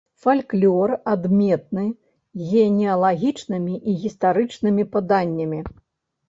Фальклор адметны генеалагічнымі і гістарычнымі паданнямі.